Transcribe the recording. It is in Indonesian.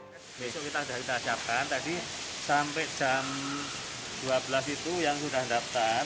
besok kita sudah siapkan tadi sampai jam dua belas itu yang sudah daftar